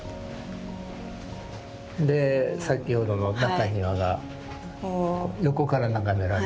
で先ほどの中庭が横から眺められる。